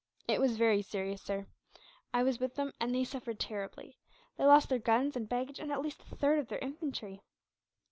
"It was very serious, sir. I was with them, and they suffered terribly. They lost their guns and baggage, and at least a third of their infantry."